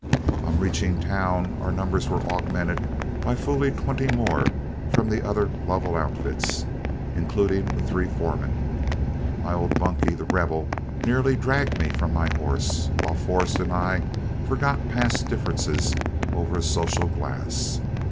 On reaching town, our numbers were augmented by fully twenty more from the other Lovell outfits, including the three foremen. My old bunkie, The Rebel, nearly dragged me from my horse, while Forrest and I forgot past differences over a social glass.